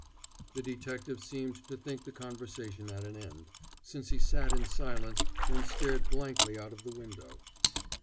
The detective seemed to think the conversation at an end, since he sat in silence and stared blankly out of the window.